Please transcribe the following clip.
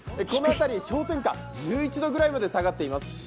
この辺り、氷点下１１度ぐらいまで下がっています。